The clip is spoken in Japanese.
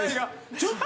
ちょっと。